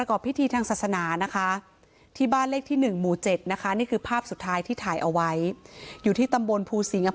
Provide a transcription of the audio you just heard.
คืนสุดท้ายนะอยากจะมานอนคือพ่อเขาจะทำงานอยู่หน้าห้อง